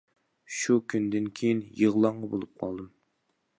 شۇ كۈندىن كىيىن يىغلاڭغۇ بولۇپ قالدىم.